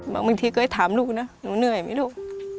บางทีเคยถามลูกนะหนูเหนื่อยไหมลูก